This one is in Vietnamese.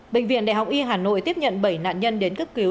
bệnh viện đại học y hà nội tiếp nhận bảy nạn nhân đến cấp cứu